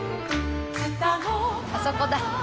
あそこだ。